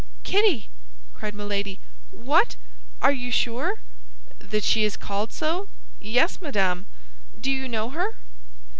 "Kitty!" cried Milady. "What? Are you sure?" "That she is called so? Yes, madame. Do you know her?"